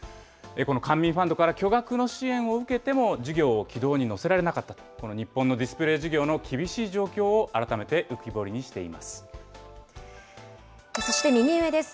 この官民ファンドから巨額の支援を受けても事業を軌道に乗せられなかったと、この日本のディスプレー事業の厳しい状況を改めて浮そして右上です。